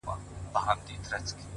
د زړه سکون له صداقت راځي؛